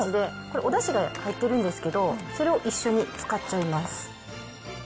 おだしでやってるんですけど、それを一緒に使っちゃいます。